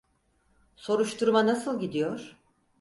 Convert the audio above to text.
Soruşturma nasıl gidiyor?